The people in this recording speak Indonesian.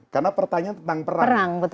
karena pertanyaan tentang perang